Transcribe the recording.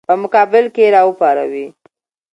په مقابل کې یې راپاروي.